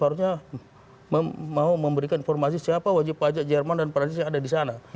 harusnya mau memberikan informasi siapa wajib pajak jerman dan perancis yang ada di sana